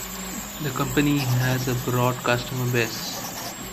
The company has a broad customer base.